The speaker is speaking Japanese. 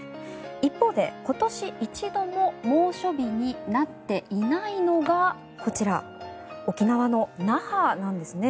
一方で、今年一度も猛暑日になっていないのがこちら沖縄の那覇なんですね。